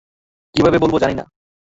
কীভাবে বলব জানি না।